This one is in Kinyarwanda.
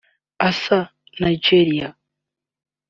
Asa[Nigeria]